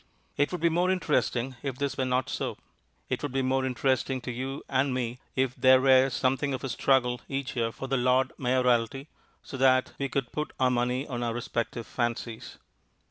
It would be more interesting if this were not so; it would be more interesting to you and me if there were something of a struggle each year for the Lord Mayorality, so that we could put our money on our respective fancies.